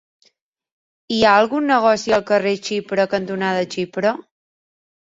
Hi ha algun negoci al carrer Xipre cantonada Xipre?